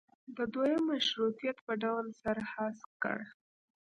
د دویم مشروطیت په ډول سر هسک کړ.